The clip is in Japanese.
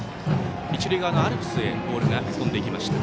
一塁側のアルプスへボールが飛んでいきました。